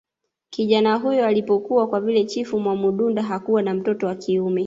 kijana huyo alipokua kwa vile chifu mwamududa hakuwa na mtoto wa kiume